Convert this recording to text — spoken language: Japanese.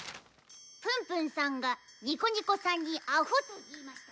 ぷんぷんさんがにこにこさんに「アホ」と言いました。